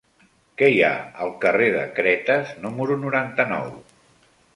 Què hi ha al carrer de Cretes número noranta-nou?